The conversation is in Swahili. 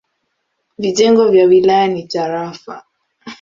Vitengo vya wilaya ni tarafa.